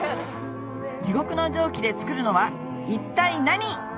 地獄の蒸気で作るのは一体何？